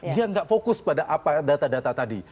dia nggak fokus pada apa data data tadi